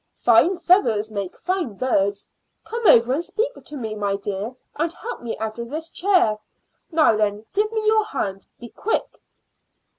Fine feathers make fine birds. Come over and speak to me, my dear, and help me out of this chair. Now then, give me your hand. Be quick!"